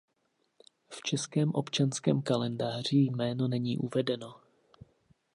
V českém občanském kalendáři jméno není uvedeno.